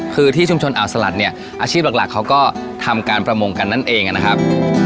คือที่ชุมชนอ่าวสลัดเนี่ยอาชีพหลักเขาก็ทำการประมงกันนั่นเองนะครับ